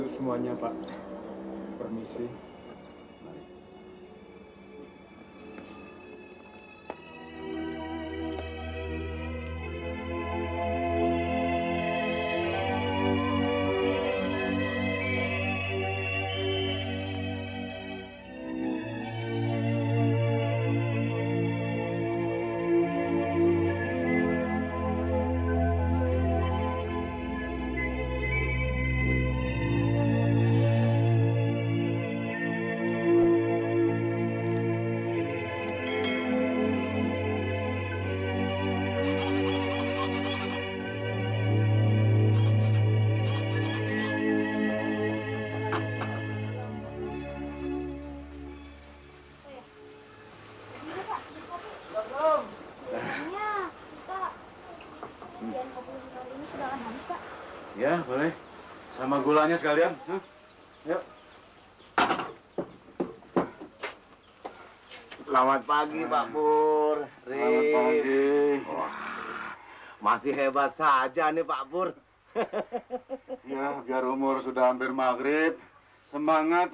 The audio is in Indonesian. selamat pagi pak pur masih hebat saja nih pak pur ya biar umur sudah hampir maghrib semangat